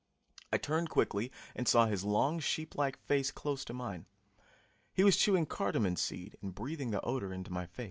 I turned quickly and saw his long sheeplike face close to mine. He was chewing cardamon seed and breathing the odor into my face.